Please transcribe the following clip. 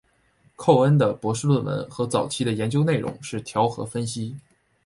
寇恩的博士论文和早期的研究内容是调和分析。